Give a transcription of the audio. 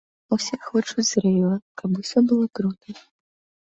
Усе хочуць рэйва, каб усё было крута.